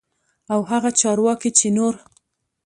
او هغه چارواکي چې نور